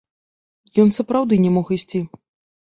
Ён сапраўды не мог ісці.